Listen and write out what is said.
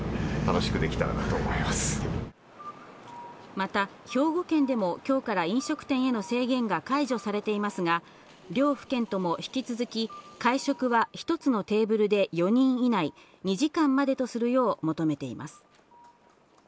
また兵庫県でも今日から飲食店への制限が解除されていますが、両府県とも引き続き、会食は一つのテーブルで４人以内、２時間までとするよう求めています。